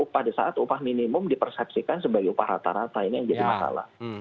pada saat upah minimum dipersepsikan sebagai upah rata rata ini yang jadi masalah